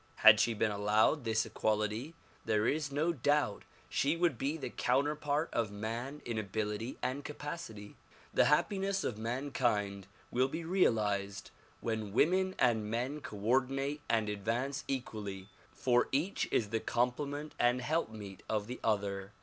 Had she been allowed this equality there is no doubt she would be the counterpart of man in ability and capacity. The happiness of mankind will be realized when women and men coordinate and advance equally, for each is the complement and helpmeet of the other.